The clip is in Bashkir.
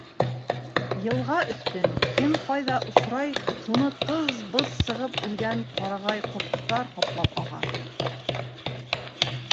Йылға өҫтөн кем ҡайҙа осрай, шуны тыз-быз сағып үлгән ҡырағай ҡорттар ҡаплап аға.